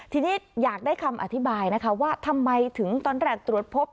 ทีนี้อยากได้คำอธิบายนะคะว่าทำไมถึงตอนแรกตรวจพบ